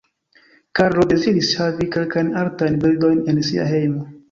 Karlo deziris havi kelkajn artajn bildojn en sia hejmo.